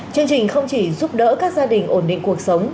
chương trình không chỉ giúp đỡ các gia đình ổn định cuộc sống